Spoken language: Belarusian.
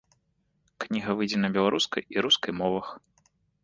Кніга выйдзе на беларускай і рускай мовах.